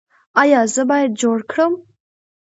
ایا زه باید جوړ کړم؟